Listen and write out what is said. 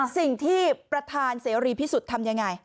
สิ่งที่ประธานเสรีพิสุทธิ์ทำยังไง